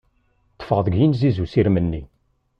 Ṭṭfeɣ deg yinziz n usirem-nni.